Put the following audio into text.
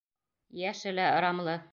Йәше лә ырамлы.